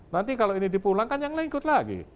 nanti kalau ini dipulang kan yang lain ikut lagi